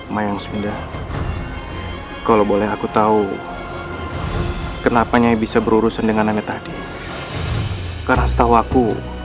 mayang sunda kalau boleh aku tahu kenapa nyai bisa berurusan dengan nama tadi karena setahu aku